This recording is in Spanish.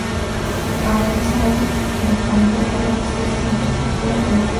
Organizada directamente por la Asociación del Fútbol Argentino.